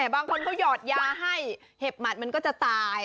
บางคนเขาหยอดยาให้เห็บหมัดมันก็จะตาย